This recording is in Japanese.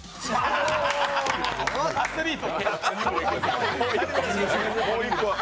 アスリート。